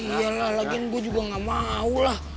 iya lah lagi gua juga gak mau lah